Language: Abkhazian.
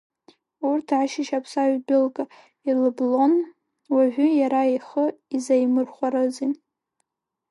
Урҭ ашьыжь аԥссаҩ идәылга илыблон, уажәы иара ихы изаимырхәарызи.